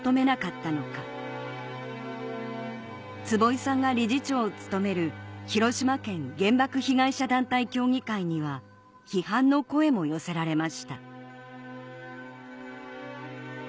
坪井さんが理事長を務める広島県原爆被害者団体協議会には批判の声も寄せられました